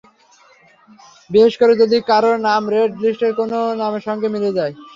বিশেষ করে যদি কারওর নাম রেড লিস্টের কোনো নামের সঙ্গে মিলে যায়।